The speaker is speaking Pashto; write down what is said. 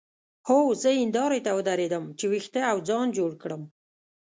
هو زه هندارې ته ودرېدم چې وېښته او ځان جوړ کړم.